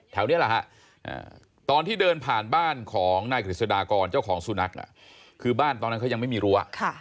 นี่แหละฮะตอนที่เดินผ่านบ้านของนายกฤษฎากรเจ้าของสุนัขคือบ้านตอนนั้นเขายังไม่มีรั้ว